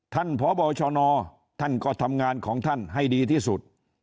ท่านพบชนท่านก็ทำงานของท่านให้ดีที่สุด